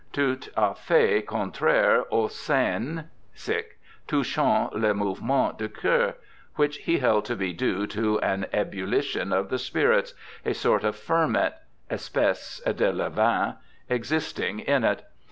' Tout a fait contraire au sein touchant le mouvement du coeur,' which he held to be due to an ebullition of the spirits — a sort of ferment [espece de levam) existing in it.